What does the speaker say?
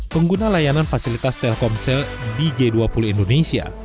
pengguna layanan fasilitas telkomsel di g dua puluh indonesia